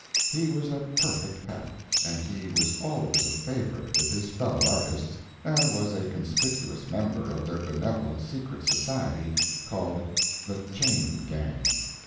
He was a perfect pet. And he was always a favorite with his fellow artists, and was a conspicuous member of their benevolent secret society, called the Chain Gang.